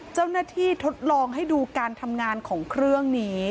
เจ้าหน้าที่ทดลองให้ดูการทำงานของเครื่องนี้